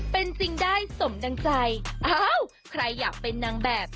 เป็นจริงได้สมดังใจอ้าวใครอยากเป็นนางแบบ